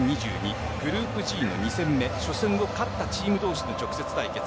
グループＧの２戦目初戦を勝ったチーム同士の直接対決。